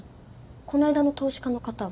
この間の投資家の方は？